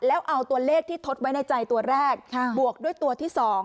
แล้วเอาตัวเลขที่ทดไว้ในใจตัวแรกบวกด้วยตัวที่๒